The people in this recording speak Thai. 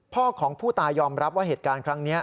พ่อของผู้ตายยอมรับว่าเหตุการณ์ครั้งนี้